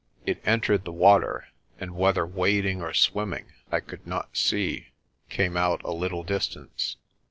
It entered the water and, whether wading or swimming I could not see, came out a little distance.